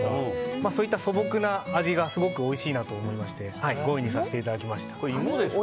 そういった素朴な味がすごくおいしいなと思いまして５位にさせていただきました。